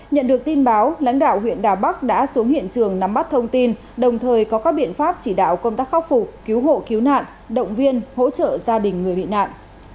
nhận được tin báo lãnh đạo huyện đà bắc đã xuống hiện trường nắm bắt thông tin đồng thời có các biện pháp chỉ đạo công tác khắc phục cứu hộ cứu nạn động viên hỗ trợ gia đình người bị nạn